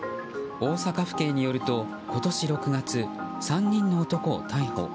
大阪府警によると今年６月、３人の男を逮捕。